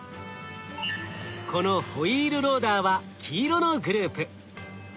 このホイールローダーは黄色のグループ。